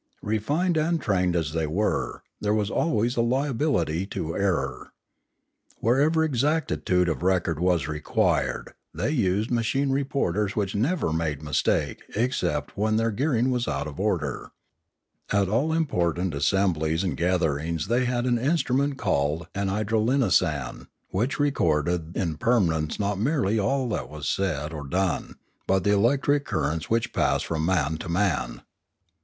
Refined and trained as they were, there was always a liability to error. Whenever exactitude of record was required they used machine reporters which never made mistake except when their gearing was out of order. At all important assemblies and gatherings Polity 521 they had an instrument called an idrolinasan which re corded in permanence not merely all that was said or done, but the electric currents which passed from man to man.